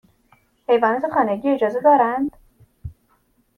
حیوانات خانگی اجازه دارند؟